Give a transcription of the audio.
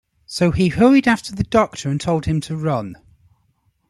So he hurried after the Doctor and told him to run.